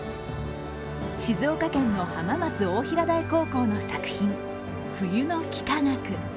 静岡県の浜松大平台高校の作品「冬の幾何学」。